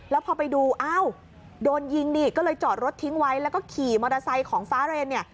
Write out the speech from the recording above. แล้วพอไปดูอ้าวโดนยิงนี่ก็เลยจอดรถทิ้งไว้แล้วก็ขี่มอเตอร์ไซค์ของฟ้าเรนเนี่ย